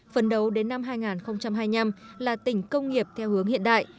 phấn đấu đến năm hai nghìn hai mươi năm là tỉnh công nghiệp theo hướng hiện đại